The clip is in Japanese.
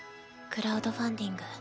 クラウドファンディング。